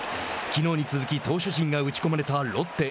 きのうに続き投手陣が打ち込まれたロッテ。